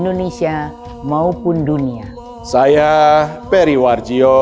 dan menjaga kebaikan pribadi